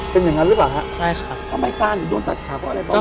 อ๋อเป็นอย่างนั้นหรือเปล่าฮะใช่ค่ะ